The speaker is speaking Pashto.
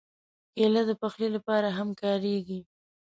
کېله د پخلي لپاره هم کارېږي.